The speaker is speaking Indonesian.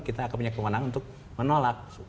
kita akan punya kewenangan untuk menolak